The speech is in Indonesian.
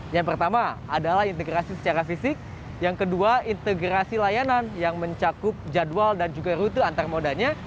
yang pertama adalah integrasi secara fisik yang kedua integrasi layanan yang mencakup jadwal dan juga rute antar modanya